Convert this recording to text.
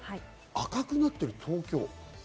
赤くなってる東京。